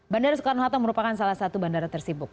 bandara soekarno hatta merupakan salah satu bandara tersibuk